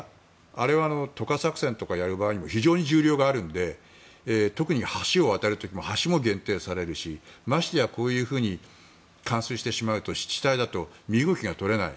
あれは渡河作戦とかする場合にも非常に重量があるので特に橋を渡る時も橋も限定されるしましてや、こういうふうに冠水してしまうと湿地帯だと身動きが取れない。